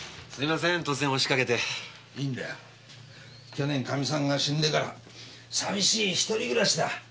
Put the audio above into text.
去年かみさんが死んでから寂しい一人暮らしだ。